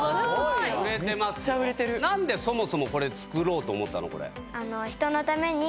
大金持ちや何でそもそもこれ作ろうと思ったの？